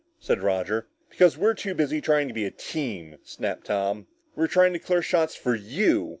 said Roger. "Because we're too busy trying to be a team!" snapped Tom. "We're trying to clear shots for you!"